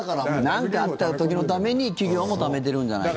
なんかあった時のために企業もためてるんじゃない？